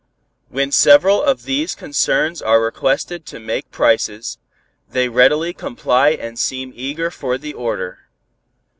When several of these concerns are requested to make prices, they readily comply and seem eager for the order.